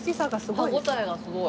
歯応えがすごい。